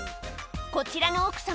こちらの奥様